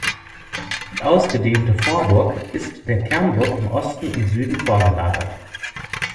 Die ausgedehnte Vorburg ist der Kernburg im Osten und Süden vorgelagert.